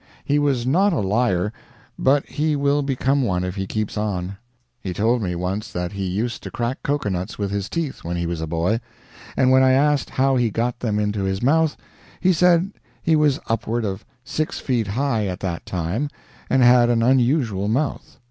He was not a liar; but he will become one if he keeps on. He told me once that he used to crack cocoanuts with his teeth when he was a boy; and when I asked how he got them into his mouth, he said he was upward of six feet high at that time, and had an unusual mouth.